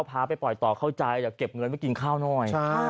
พาไปปล่อยต่อเข้าใจอยากเก็บเงินไว้กินข้าวหน่อย